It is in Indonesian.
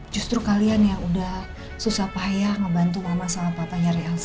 justru kalian yang udah susah payah ngebantu mama sama papanya real